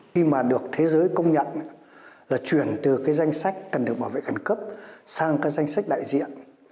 khi mà được thế giới công nhận là chuyển từ cái danh sách cần được bảo vệ khẩn cấp sang cái danh sách đại diện